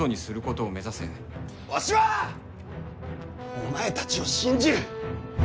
お前たちを信じる！